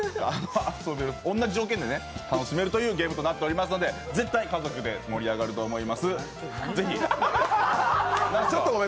同じ条件で楽しめるゲームとなっていますので絶対、家族で盛り上がると思います。